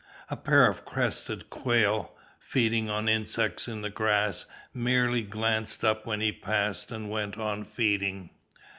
A pair of crested quail, feeding on insects in the grass, merely glanced up when he passed and went on feeding.